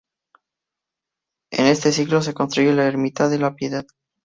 En este siglo se construye la ermita de la Piedad.